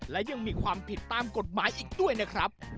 และยังมีความผิดตามกฎหมายอีกด้วยนะครับ